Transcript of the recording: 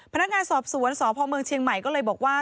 พนักงานสอบสวนสพเมืองเชียงใหม่ก็เลยบอกว่า